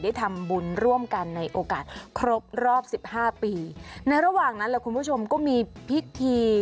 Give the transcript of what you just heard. ได้ทำบุญร่วมกันในโอกาสครบรอบสิบห้าปีในระหว่างนั้นแหละคุณผู้ชมก็มีพิธี